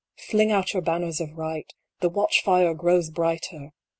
Fling out your banners of Right ! The watch fire grows brighter